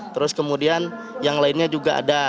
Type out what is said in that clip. terus kemudian yang lainnya juga ada